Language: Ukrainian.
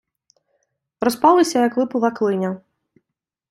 Розпалися, як липове клиня.